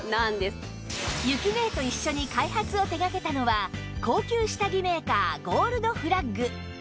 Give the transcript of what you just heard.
ゆきねえと一緒に開発を手がけたのは高級下着メーカーゴールドフラッグ